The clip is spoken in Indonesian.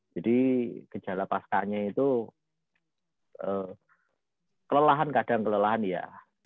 jadi gejala paskanya itu kelelahan kadang kelelahan ya